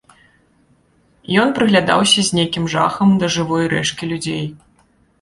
Ён прыглядаўся з нейкім жахам да жывой рэчкі людзей.